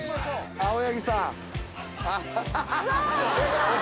青柳さん